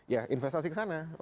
ya investasi ke sana